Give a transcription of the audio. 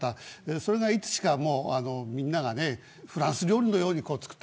それが、いつしかみんながフランス料理のように作って。